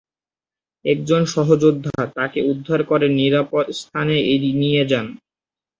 একজন সহযোদ্ধা তাকে উদ্ধার করে নিরাপদ স্থানে নিয়ে যান।